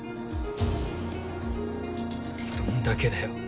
どんだけだよ